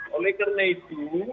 oleh karena itu